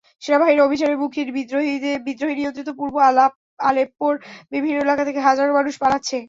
সেনাবাহিনীর অভিযানের মুখে বিদ্রোহী-নিয়ন্ত্রিত পূর্ব আলেপ্পোর বিভিন্ন এলাকা থেকে হাজারো মানুষ পালাচ্ছে।